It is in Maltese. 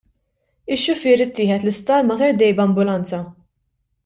Ix-xufier ittieħed l-isptar Mater Dei b'ambulanza.